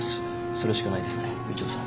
それしかないですねみちおさん。